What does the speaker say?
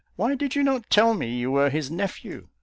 Why did you not tell me you were his nephew?"